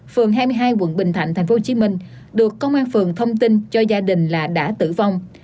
phường hai mươi hai quận bình thạnh tp hcm được công an phường thông tin cho gia đình là đã tử vong